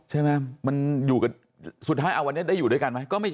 ใช่ไหมมันอยู่กันสุดท้ายเอาวันนี้ได้อยู่ด้วยกันไหม